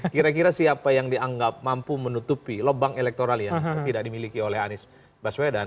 kira kira siapa yang dianggap mampu menutupi lubang elektoral yang tidak dimiliki oleh anies baswedan